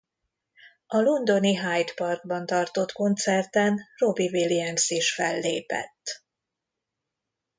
A londoni Hyde Parkban tartott koncerten Robbie Williams is fellépett.